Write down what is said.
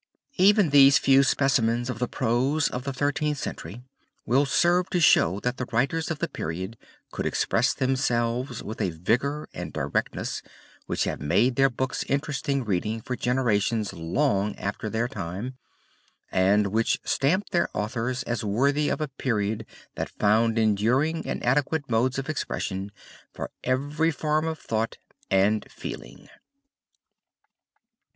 Even these few specimens of the prose of the Thirteenth Century, will serve to show that the writers of the period could express themselves with a vigor and directness which have made their books interesting reading for generations long after their time, and which stamp their authors as worthy of a period that found enduring and adequate modes of expression for every form of thought and feeling.